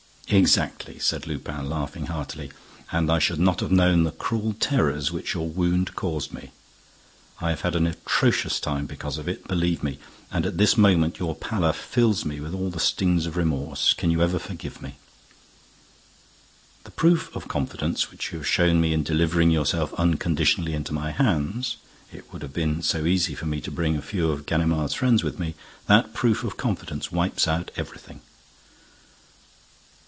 "Exactly," said Lupin, laughing heartily. "And I should not have known the cruel terrors which your wound caused me. I have had an atrocious time because of it, believe me, and, at this moment, your pallor fills me with all the stings of remorse. Can you ever forgive me?" "The proof of confidence which you have shown me in delivering yourself unconditionally into my hands—it would have been so easy for me to bring a few of Ganimard's friends with me—that proof of confidence wipes out everything."